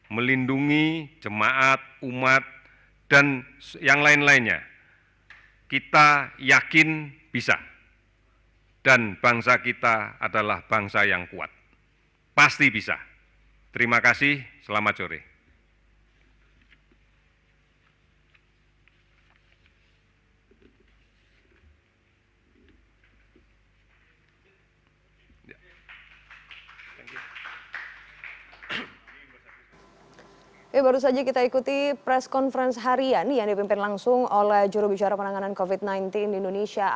melindungi saudara saudara kita